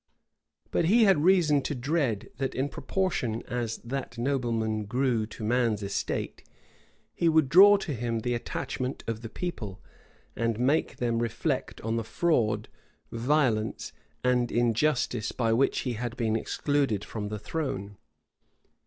But he had reason to dread that, in proportion as that nobleman grew to man's estate, he would draw to him the attachment of the people, and make them reflect on the fraud, violence, and injustice by which he had been excluded from the throne.